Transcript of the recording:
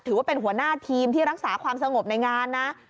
ถือว่าเป็นหัวหน้าทีมที่รักษาความสงบในงานนะ